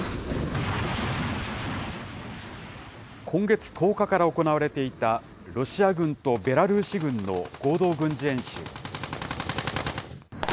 今月１０日から行われていたロシア軍とベラルーシ軍の合同軍事演習。